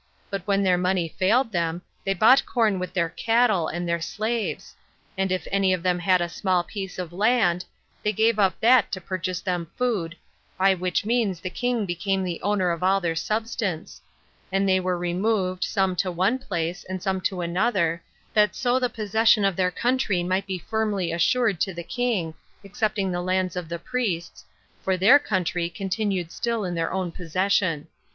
But when their money failed them, they bought corn with their cattle and their slaves; and if any of them had a small piece of land, they gave up that to purchase them food, by which means the king became the owner of all their substance; and they were removed, some to one place, and some to another, that so the possession of their country might be firmly assured to the king, excepting the lands of the priests, for their country continued still in their own possession.